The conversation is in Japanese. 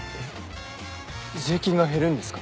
税金が減るんですか？